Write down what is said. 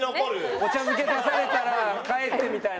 お茶漬け出されたら帰ってみたいな？